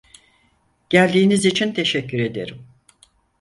Geldiğiniz için teşekkür ederim.